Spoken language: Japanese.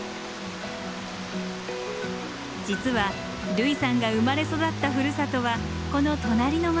実は類さんが生まれ育ったふるさとはこの隣の町なんです。